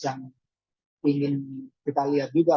yang ingin kita lihat juga